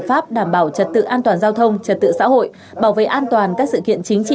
pháp đảm bảo trật tự an toàn giao thông trật tự xã hội bảo vệ an toàn các sự kiện chính trị